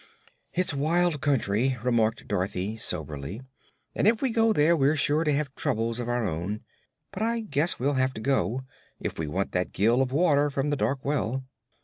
"It's a wild country," remarked Dorothy, soberly, "and if we go there we're sure to have troubles of our own. But I guess we'll have to go, if we want that gill of water from the dark well."